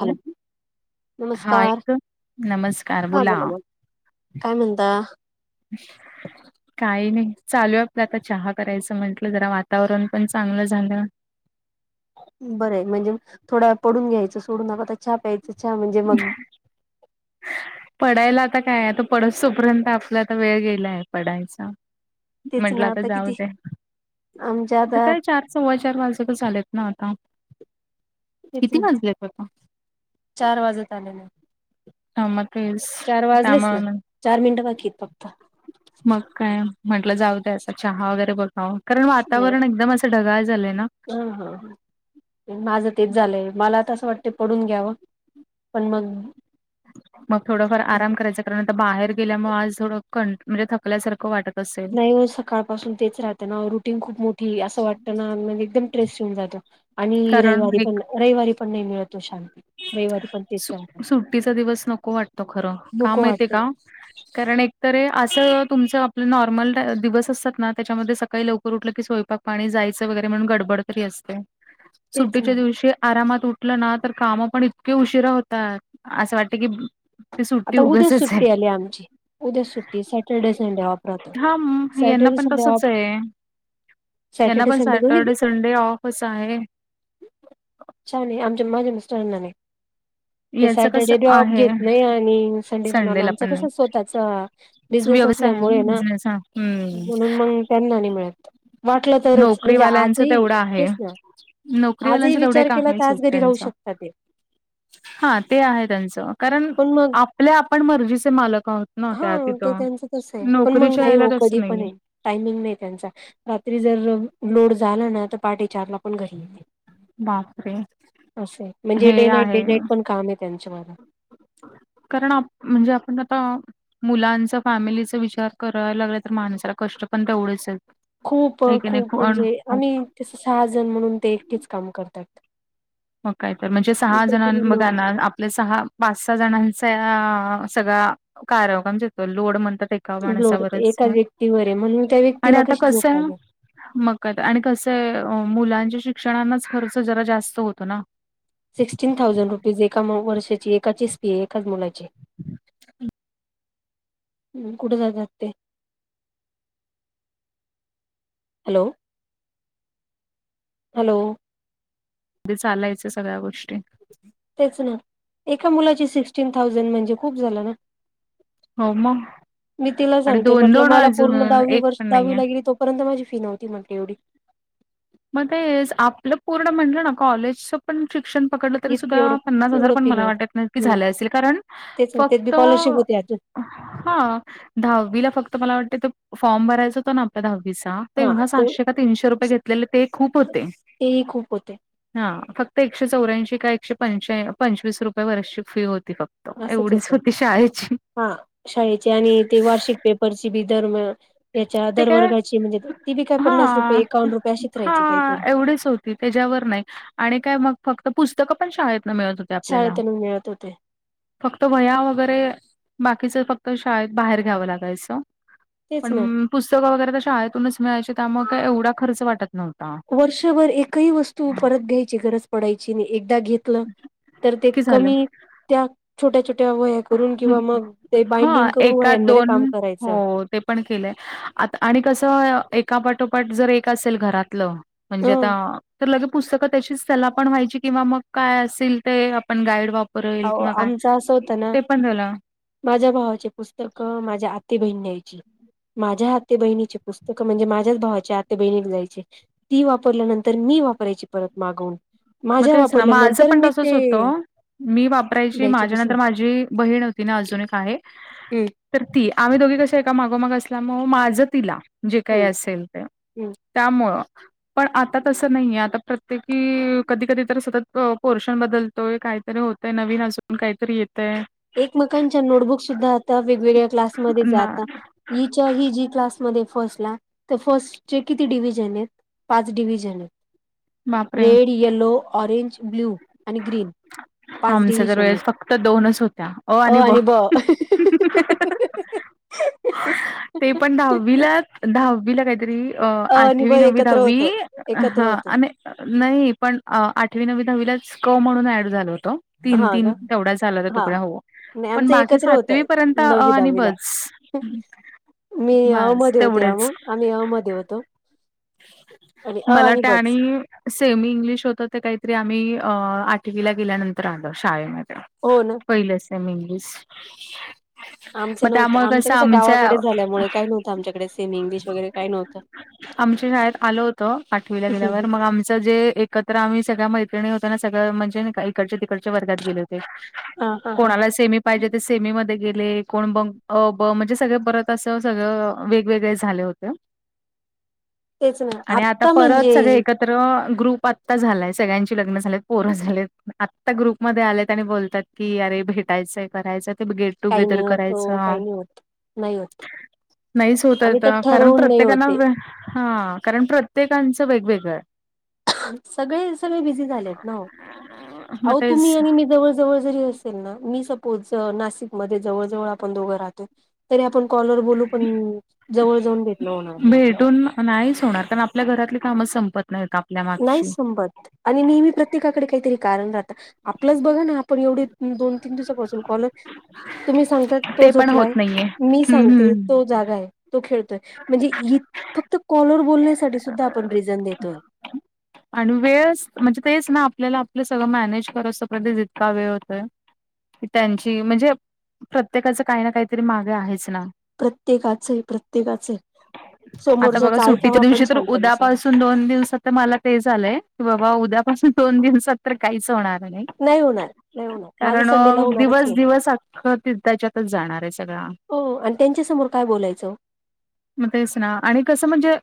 Hello हा नमस्कार एक हां बोला बोला. काय म्हणता. ह [unintelligible] काही नाही चालू आपलं आता चहा करायचं म्हटलं जरा वातावरण पण चांगलं झालं. बरं आहे म्हणजे थोडं पडून घ्यायचं सोडू नका आता छ प्यायचं चहा म्हणजे मग पडायला आता काय आता पडत तोपर्यंत आपला आता वेळ गेला आहे पडायचा. तेच म्हंटलं आ ना तर आता किती जाऊते आमच्या आता काय चार, सव्वा चार वाजटच चालेत ना आता तेच किती ना वाजलेत आता. चार वाजत आले. ह मग रील्स. चार वाजलेच ना चार मिनटं बाकीत फक्त मग काय म्हटलं जाऊ दय आता चहा वगैरे बघावं कारण वातावरण एकदम ढागाळ झालंय ना. ह हा ह. माझं तेच झालंय मला तर असं वाटतं पडून घ्यावं पण मग मग थोडंफार आराम करायचं कारण आता बाहेर गेल्यामुळे आज थोडं क म्हणजे थकल्यासारखं वाटत असेल. नाही हो सकाळपासून तेच राहतं ना रुटीन खूप मोठी असं वाटतं ना म्हणज एकदम ट्रेस येऊन जातो. आणि रविवारी कारण पण रविवारी पण नाही मिळतो शांती. रविवारी पण तेच चालतं सुट्टीचा दिवस नको वाटतो खरं का नको माहितय का. [inaudible] कारण एकतर असं तुमचं आपलं नॉर्मल दिवस असतात ना त्याच्यामध्ये सकाळी लवकर उठलं की स्वयंपाक पाणी जायचं वगैरे म्हणून गडबड तरी असते. [inaudible] सुट्टीच्या दिवशी आरामात उठलं ना तर काम पण इतके उशीिरा होतात असं वाटते की ते सुट्टी आता उद्या उगचच आहे.. सुट्टी आली आमची उद्या सुट्टी सॅटर्डे संडे ऑफ राहतो हा यांना सॅटर्डे पण संडे ऑफ तसच आहे. यांना सॅटर्डे पण संडे दोन्ही सॅटर्डे संडे ऑफच आहे. छान य आमच्या माझ्या मिस्टरांना नाही. ते याचं कसं सॅटर्डे ॉप आहे घेतलंय आणे सं ब संडेला आ पण कस नाही. स्वतः बिस व्यवसाय आहे असल्यामुळे ना बिझनेस हा. हम्म. म्हणून मग. पडणं नाही मिळत वाटलं तरच म्हणजे नोकरीवाल्यांचं आजही तेवढं आहे. तेच ना. नोकरीवाल्यांच आजही तेवढे विचार का केला आहे सुट तरच घरी राहू त्यांच शकता ते. हा ते आहे त्यांच कारण पण मग आपले आपण मर्जीचे मालक आहोत. ना हा त्या ते तिथं त्यांचं तस आहे पण मग नोकरीच्या नाही याला हो कधी तसं पण नाहीये आहे. टायमिंग नाही त्यांचा रात्री जर लोड झाला ना तर पाटे चारला पण घरी येे बापरे असे आहे म्हणजे हे डे नाईट आहे डे नाईट पण काम आहे त्यांच्या मला कारण म्हणजे आपण आता मुलांचा फॅमिलीचा विचार करायला लागला तर माणसाला कष्ट पण तेवढंच आहेत. खूप आहे की नाही खूप पण म्हणजे खूप आम्ही त्यास सहाजण म्हणून ते एकटेच काम करतात. मग काय तर म्हणजे सहा जणां त्याच्यावर लोड बघाणार आपले सहा, पाच सहा जणांचा सगळ कार्यक्रम लोड म्हणतात एका लोड माणसावरच एकाच व्यक्तीवर आहे म्हणून त्या आणि व्यक्तीला आता कशी झोप कसय. लागेल. मग का आणि कसं मुलांच्या शिक्षणनाच खर्च जरा जास्त होतो ना. सिक्स्टीन थाउजंड रुपीज एका वर्षाची एकाचीच फी आहे एकाच मुलाची हम् कुठ जातात ते. Hello hello. चालायचं सगळ्या गोष्टी. तेच ना एका मुलाची सिक्स्टीन थाउजंड म्हणजे खूप झाला ना. हो मग मी तिला आणि सांगते म्हणलं, मला अजून पूर्ण दहावी एक वर्ष पण दहावी नाहीये. गेली तो परंतू माझी फी नव्हती, माझी एवढी. मग ते आपलं पूर्ण म्हटलं ना, कॉलेजच पण शिक्षण पकडलं तरी, इत एवढं सुद्धा पन्नास हजार एवढं पण फी मला वाटत नाही की नव्हती हं, झालं असेल कारण तेच तेच बी स्कॉलरशिप होते अजुन. हा दहावीला फक्त मला वाटते, ते फॉर्म भरायचं हो ना आपल्या दहावीचा ते तेव्हा सातशे का तीनशे रुपये घेतलेले, ते खूप होते. तेही खूप होते हा फक्त एकशे चौऱ्याऐंशी का एकशे पं- पंचवीस रुपये वर अशी फी होती बघ. असचं होत हा, शाळेचे आणि ते वार्षिक पेपरची बी दर म त्याच्या ते काय दरवर्गाची म्हणजे ती बी काय पन्नास रुपये हां, एक्कावन रुपये अशीच राहायची काही हां, तरी. एवढीच होती त्याच्यावर नाही आणि काय मग फक्त पुस्तकं पण, शाळेतन मिळत होती आपल्याला. शाळेतून मिळत होते फक्त वह्या वगैरे बाकीचं फक्त शाळेत बाहेर घ्याव, लागायचं. तेच पण ना पुस्तकं वगैरे तर, शाळेतूनच मिळायची त्यामुळे काय एवढा खर्च वाटत नव्हता. वर्षभर एकही वस्तू परत घ्यायची गरज पडायची नाही, एकदा घेत [unintelligible] तर ते की कमी झालं त्या छोट्या छोट्या वह्या करून किंवा मग ते हां, बाइडिंग करून ते एकात वह्यांमध्ये काम करायच. हो, ते पण केलंय, आता आणि कसं एकापाठोपाठ जर एक असेल घरातल. ह म्हणजे आता तर लगे पुस्तकं त्याची त्याला पण व्हायची किंवा, मग काय असेल ते आपण गाईड वापर बरं होईल, किंवा काय? आमच असं होत ना. ते पण झालं. माझ्या भावाचे पुस्तक माझ्या आती बहिण द्यायची. माझ्या आते बहिणीचे पुस्तक म्हणजे, माझ्याच भावाचे आते बहिणीला द्यायची. ती वापरल्या नंतर मी वापरायची परत मागवून मग माझ्या तेच ना वापरल्या माझं नंतर पण मी तसंच ते होतं. मी वापरायची द्यायचे माझ्या दुसरे नंतर माझी बहीण होती ना, अजून एक आहे. हम्म, तर ती आम्ही दोघी कशा एका मागोमाग असल्या मुळ, माझ तिला जे काही हम्म असेल ते. हम्म. त्यामुळ पण आता तसं नाहीेयं, आता प्रत्येकी कधी कधी तर सतत पोर्शन बदलतोय, काहीतरी होतय नवीन अजून काही तरी येतय. एकमेकांच्या नोटबुकस सुद्धा आता वेगवेगळ्या क्लास मध्ये ना जातात. हिच्या ही जी क्लास मध्ये फर्स्टला तर फर्स्ट चे किती डिव्हजन आहेत? पाच डिव्हजन. बापरे रेड, येलो, ऑरेंज, ब्ल्यू आणि ग्रीन. पाच आमचा तर डिव्हिजन आहेत. वेळेस फक्त दोनच होत्या, अ आणि ब. ते पण दहावीला दहावीला काहीतरी अ नि ब आठवी, नववी, एकत्र दहावी होतो एकत्र हा होतो. नाही नाही पण आठवी, नववी, दहावीलाच क म्हणून ऍड झाल होत. तीन हा का? तीन तेवढाच झाला, तर हा तुकड्या आवो. नाही पण आमचं बाकी एकत्र सातवी होतं पर्यंत नववी आणि ब दहावीला. चं. मी अ मध्ये होते, अमून आम्ही अ मध्ये होतो. आणि अ मला आणि त्या बच आणि सेम इंग्लिश होत, ते काहीतरी आम्ही आठवीला गेल्यानंतर आलं. शाळा मध्ये. हो ना, पहिलं सेमी इंग्लिस आमचं नव्हत, आमच कसं गावाकडे झाल्यामुळे काही नव्हतं आमच्या कडे सेमी इंग्लिश वगैरे काही नव्हतं. आमच्या शाळेत आलं होतं आठवीला गेल्यावर मग आमचं जे एक तर आम्ही सगळ्या मैत्रिणी होतो ना सगळं म्हणजे इकडच्या तिकडच्या वर्गात गेले होते. हा हा हा कोणाला सेमी पाहिजे ते सेमीमध्ये गेले कोण अ, ब म्हणजे सगळे परत असं सगळं वेगवेगळे झाले होते. तेच ना आता म्हणजे तर ग्रुप आता झालाय सगळ्यांची लग्न झालेत पोरं झालेत आत्ता ग्रुपमध्ये आलेत आणि बोलतात की अरे भेटायचंय करायचं तेेट काही टुगेदर नाही होत ओ करायचं काही नाही होत. नाही होत नाहीच होत आम्ही तर कारण ठरवून नाही प्रत्येकाना होते हा कारण प्रत्येकांचं वेगवेगळं सगळे सगळे बिझी झालेत नावो मग अह तुम्ही तेच आणि मी जवळ जवळ जरी असेल ना मी सपोज नाशिक मधे जवळ जवळ आपण दोघं राहतो तरी आपण कॉलवर बोलू पण जवळ जाऊन भेट न होणार म आपल्या भेटून नाहीच होणार कारण आपल्या घरातली कामच संपत ल्या [unintelligible] नाही संपत आणि नेहमी प्रत्येकाकडे काहीतरी कारण राहत आपलंच बघा ना आपण एवढे दोन तीन दिवसापासून कॉलवर तुम्ही सांगता तो ते पण झोपलाय होत नाहीये. मी हम्म सांगते हम्म. तो जागा आहे तो खेळतोय म्हणजे इतक फक्त कॉलर बोलण्यासाठी सुद्धा आपण रिझन देतोय आणि वेळच म्हणजे तेच ना आपल्याला आपलं सगळं मॅनेज करोस पर्यत जितका वेळ होतोय त्यांची म्हणजे प्रत्येकाच काही ना काहीतरी मागे आहेच ना प्रत्येकाच प्रत्येकाच आता बघा समोरच्याच ऐकावं सुट्टीच्या आपण दिवशी तर शांतने सांग उद्यापासून दोन दिवसात तर मला ते झालंय की बाबा उद्यापासून दोन दिवसात तर काहीच होणार नाही होणार, नाही होणार. माझं कारण संडेला होणारच दिवस नाही. दिवस अख्खं त्याच्यातच जाणार आहे सगळा हो आणि त्यांच्यासमोर काय बोलायचं मग तेच ना आणि कसं म्हणजे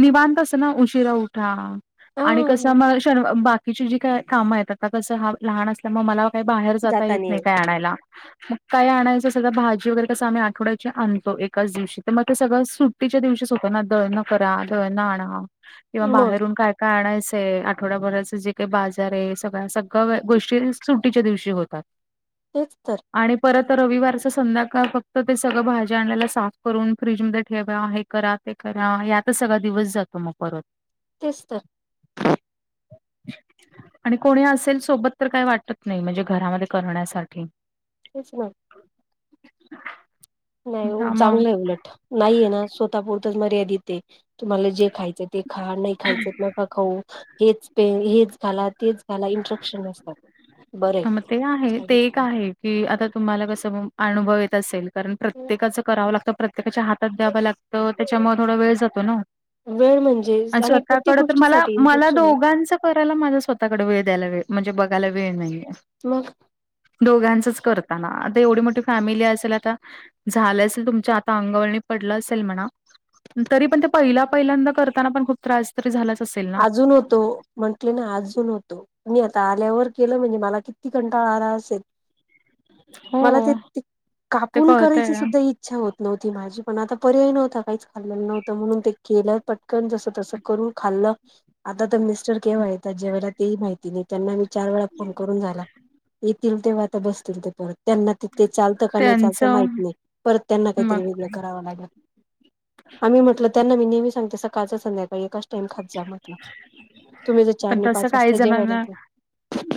निवांत असतो ना उशिरा उठा ओ? आणि कसं हां. मग शर्व बाकीची जी काय काम आहेत आता कसं हा लहान असल्यामुळे मला काही बाहेर जाता येत जातानी नाही काय आणायला मग काय आणायचं असेल तर भाजी वगैरे कसं आम्ही आठवड्याची आणतो एकाच दिवशी तर मग ते सगळं सुट च्या दिवशीच होत ना दळण करा दळण आणा किंवा मग बाहेरून काय काढायचंय आठवडाभराचं जे काही बाजार आहे सगळ सगळं गोष्टी सुट्टीच्या दिवशी होतात तेच तर आणि परत रविवारच संध्याकाळ फक्त ते सगळं भाजी आणल्याला साफ करून फ्रीजमध्ये ठेव आहे करा ते करा यात सगळा दिवस जातो मग परत तेच तर आणि कोणी असेल सोबत तर काही वाटत नाही म्हणजे घरामध्ये करण्यासाठी तेच ना नाही ओ हां मग चांगलं आहे उलट नाहीये ना स्वतःपरतच मर्यादेत तुम्हाला जे खायचं ते खा नाही खायच नका खाऊ हेच प हेच खालात तेच घालि इंट्रक्शन नसतात बरं कि आता तुम्हाला कसं अनुभव येत असेल कारण प्रत्येकाचं करावं लागत प्रत्ये त्याच्या हातात द्यावं लागतं त्याच्यामुळे थोडा वेळ जातो. ना ओ वेळ म्हणजे अ आणि प्रत्येक स्वतःकड तर मला गोष्टीसाठी मला इंस्ट्रक्शन आहे. दोघांच करायला माझा स्वतः कड वेळ द्यायला वेळ म्हणजे बघायला वेळ नाही. मग दोघांचच करताना आता एवढी मोठी फॅमिली असेल आता झालं असेल तुमच्या आता अंगावलणी पडलं असेल. म्हणा तरी पण ते पहिल्या पहिल्यांदा करताना पण खूप त्रास तरी झालाच असेल. ना. अजून होतो म्हंटले ना अजून होतो. मी आता आल्यावर केलं म्हणजे मला किती कंटाळा आला असेल. हो मला ते ते कापून करायची कळतंय. सुद्धा इच्छा इच्छा होत नव्हती माझी पण आता पर्याय नव्हता. काहीच खाल्लेलं नव्हत म्हणून ते केलं पटकन जसं तसं करून खाल्लं आता तर मिस्टर केव्हा येतात जेव्हायला तेही माहिती नाही त्यांना मी चार वेळा फोन करून झाला. येतील तेव्हा आता बसतील ते परत त्यांना तिथे चालतं का नाही. चालतं त्यांचं माहित नाही परत त्यांना मग काहीतरी वेगळं करावं लागेल. आम्ही म्हटलं त्यांना मी नेहमी सांगते. सकाळचा संध्याकाळी एकाच टाम तुम्ही जर चार पण आणि तसं पाच काही वाजता जेवय जणांना जाते.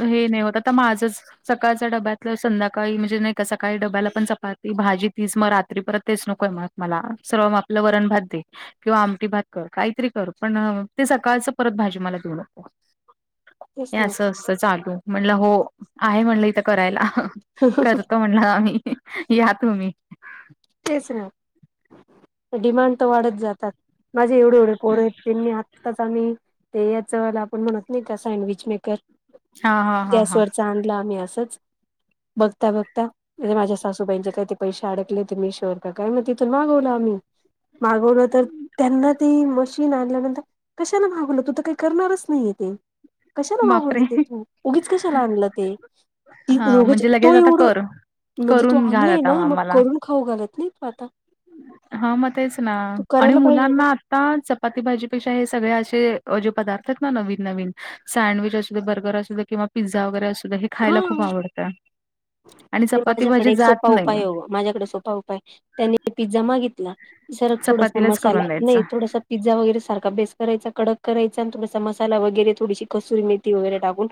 हे नाही होत आता माझंच सकाळच्या डब्यातलं संध्याकाळी म्हणजे नाही. का सकाळी डब्याला पण चपाती भाजी तीच मग रात्री परत तेच नकोय मग मला सर्व आपलं वरण भात दे किंवा आमटी भात कर काहीतरी कर पण ते सकाळच परत भाजी मला देऊ नक तेच हे ना असं असतं. चालू म्हणलं हो आहे म्हणलं इथं करायला करत म्हण या तुम्ही तेच ना डिमांड तर वाढत जातात. माझे एवढे एवढे पोर आहेत. त्यांनी आत्ताच आम्ही ते याच वला आपण म्हणत नाही का सँडविच मेकर हा हा हा हा गॅसवरती लाम्ही असच बघता बघता म्हणे माझ्या सासूबाईंचे काही ते पैसे अडकले मिशोवर मागवलं आम्ही मागवल तर त्यां त टीन आणल्यानंतर कशाने मागवलं तू तर काही करणारच नाही. ते कशाला बापरे वागते तू उगीच कशाला आणलं ते हा रोग म्हणजे तो लगेच आता एवढं कर म्हणजे तो करून घाल आणलाय आता ना मग करून खाऊ घालत नाही. तू आता हा मग तेच ना तू आणि करायला पाहिजे ना मुलांना आता चपाती भाजीपेक्षा हे सगळे्या असे जे पदार्थ आहेत. ना नवीन नवीन सँडविच अस बर्गर असू किंवा पिझ्झ वगर अस हा आणि चपाती भाजी माझ्याकडे एक जात सोपा उपाय नाही. हो माझ्याकडे सोपा उपाय त्यानी पिझ्झा मागितला जर थोडासा चपातीलाच मसाला करून द्यायचं. नाही थोडासा पिझ्जा वैरे सारखाेस करायचा कड करायचा आणि थोडासाला वगैरे थोडीशी कसुरी मेथी वगैरे टाकून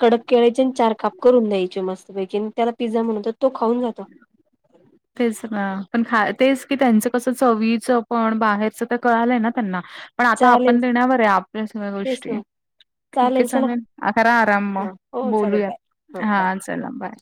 कडक केळाचे आणि चार काप करून द्यायचे मस्तपैकी त्याला पिझ्झा म्हणत तो खाऊन जातो. तेच ना पण खा तेच की त्यांच कसं चवीचं पण बाहेरचं तर कळालंय ना त्यांना पण आता चालेल आपण देण्यावर आहे आपल्या सगळ्या तेच गोष्टी ना ठीक आहे चालेल खरा आराम मग ह हो चालेल बाय बोलूयात हो हा बाय चला बाय